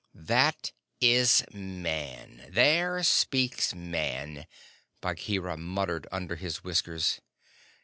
"That is Man! There speaks Man!" Bagheera muttered under his whiskers.